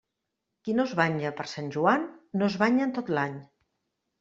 Qui no es banya per Sant Joan no es banya en tot l'any.